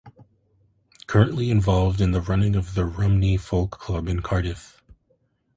Currently involved in the running of the Rumney Folk Club in Cardiff.